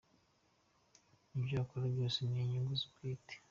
Ibyo akora byose ni mu nyungu ze bwite.